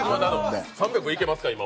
今も３００いけますか？